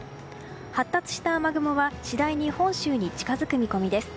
発達した雨雲は次第に本州に近づく見込みです。